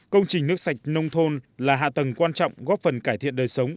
công trình nước sạch nông thôn là hạ tầng quan trọng góp phần cải thiện đời sống